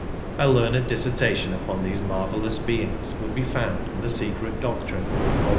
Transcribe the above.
A learned dissertation upon these marvel lous beings will be found in The Secret Doctrine^ vol.